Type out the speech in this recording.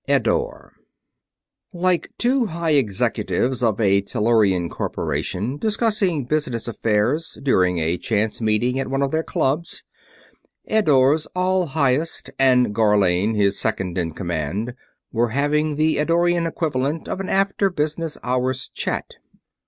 EDDORE Like two high executives of a Tellurian corporation discussing business affairs during a chance meeting at one of their clubs, Eddore's All Highest and Gharlane, his second in command, were having the Eddorian equivalent of an after business hours chat.